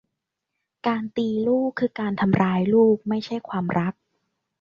การตีลูกคือการทำร้ายลูก ไม่ใช่ความรัก